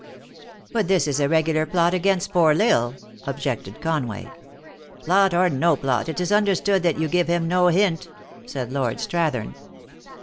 " But this is a regular plot against poor L Isle," ob jected Conway. "Plot or no plot, it is understood that you give him no hint," said Lord Strathern.